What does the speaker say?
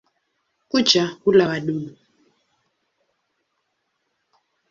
Kucha hula wadudu.